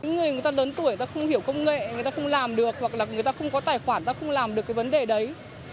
người người ta lớn tuổi người ta không hiểu công nghệ người ta không làm được hoặc là người ta không có tài khoản người ta không làm được cái vấn đề đấy